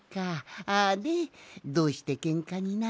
あでどうしてケンカになったんじゃ？